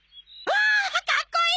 かっこいい！